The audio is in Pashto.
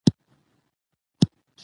مالي ستونزې حل کیدونکې دي.